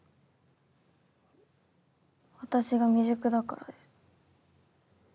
私が未熟だからです。